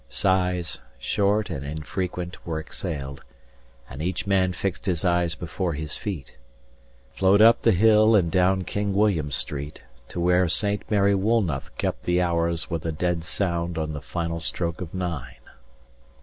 Sighs, short and infrequent, were exhaled, And each man fixed his eyes before his feet. 65 Flowed up the hill and down King William Street, To where Saint Mary Woolnoth kept the hours With a dead sound on the final stroke of nine.